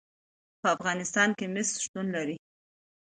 په افغانستان کې مس شتون لري.